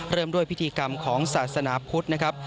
เริ่มด้วยพิธีกรรมของศาสนาพุทธนะครับ